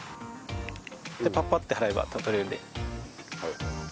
パッパッて払えば取れるので。